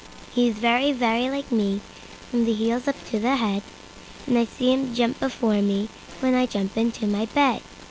He is very, very like me from the heels up to the head; And I see him jump before me, when I jump into my bed.